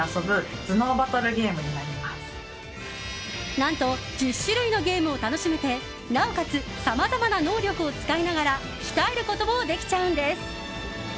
何と１０種類のゲームを楽しめてなおかつさまざまな能力を使いながら鍛えることもできちゃうんです。